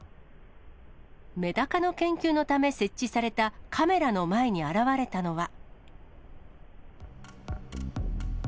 メダカの研究のため設置されたカメラの前に現れたのは。